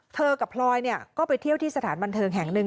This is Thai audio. กับพลอยก็ไปเที่ยวที่สถานบันเทิงแห่งหนึ่ง